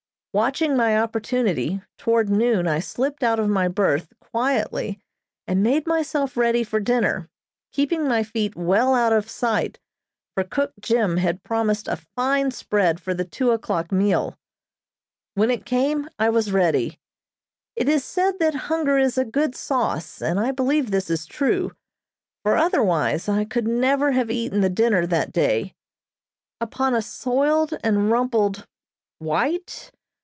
Watching my opportunity, toward noon I slipped out of my berth quietly and made myself ready for dinner, keeping my feet well out of sight, for cook Jim had promised a fine spread for the two o'clock meal. When it came I was ready. It is said that hunger is a good sauce, and I believe this is true, for otherwise I could never have eaten the dinner that day. Upon a soiled and rumpled white